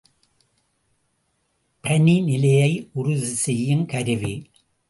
பனிநிலையை உறுதி செய்யுங் கருவி.